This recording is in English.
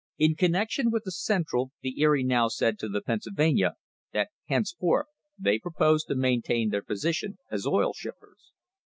In connection with the Central the Erie now said to the Pennsylvania that hence forth they proposed to maintain their position as oil shippers.